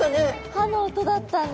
歯の音だったんだ。